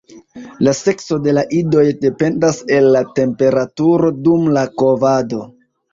La sekso de la idoj dependas el la temperaturo dum la kovado.